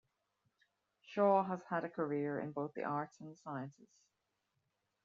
Shaw has had a career in both the arts and the sciences.